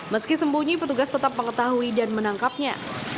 meski sembunyi petugas tetap mengetahui dan menangkapnya